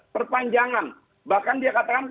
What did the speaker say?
perpanjangan bahkan dia katakan